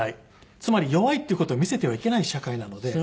つまり弱いっていう事を見せてはいけない社会なので。